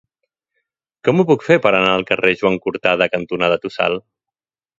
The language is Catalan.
Com ho puc fer per anar al carrer Joan Cortada cantonada Tossal?